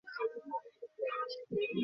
পিছিয়ে যান, নইলে আমি গুলি করব।